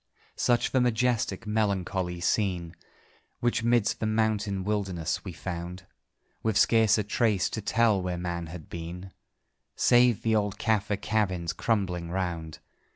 Such the majestic, melancholy scene Which 'midst that mountain wilderness we found; With scarce a trace to tell where man had been, Save the old Caffer cabins crumbling round.